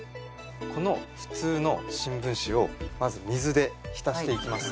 この普通の新聞紙をまず水で浸していきます。